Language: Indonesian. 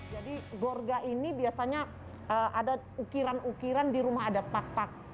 jadi gorga ini biasanya ada ukiran ukiran di rumah adat pakpak